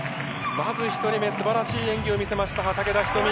まず１人目、すばらしい演技を見せました、畠田瞳。